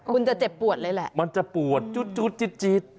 คุณจะเจ็บปวดเลยแหละมันจะปวดจุด